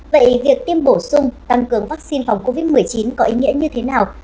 vậy việc tiêm bổ sung tăng cường vaccine phòng covid một mươi chín có ý nghĩa như thế nào